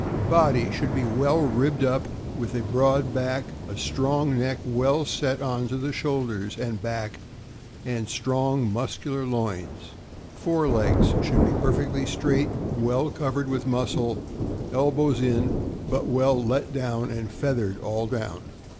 Body. — Should be well ribbed up, with a broad back; a neck strong, well set on to the shoulders and back, and strong, muscular loins. Fore legs. — Should be perfectly straight, well covered with muscle; elbows in, but well let down, and feathered all down.